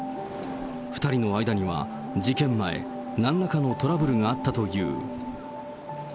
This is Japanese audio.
２人の間には事件前、なんらかのトラブルがあったという。